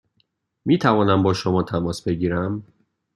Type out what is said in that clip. می توانم با شما تماس بگیرم؟